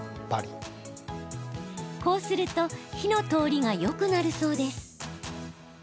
こうすると火の通りがよくなるそうです。